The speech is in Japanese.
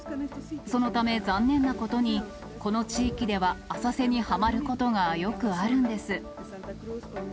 そのため残念なことに、この地域では浅瀬にはまることがよくあるんです。